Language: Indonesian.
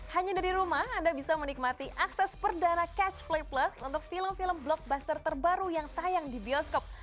hanya dari rumah anda bisa menikmati akses perdana catch play plus untuk film film blockbuster terbaru yang tayang di bioskop